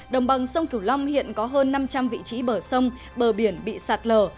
đồng bằng sông cửu long hiện có hơn năm trăm linh vị trí bờ sông bờ biển bị sạt lở